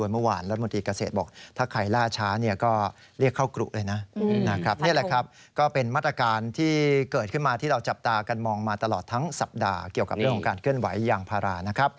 เมื่อวานร้านมนตรีเกษตรบอกถ้าใครล่าช้านี่ก็เรียกเข้ากรุ้